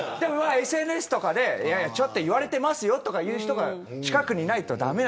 ＳＮＳとかで言われてますよとか言う人が近くにいないと。